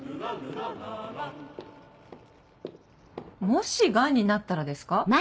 もしガンになったらですか？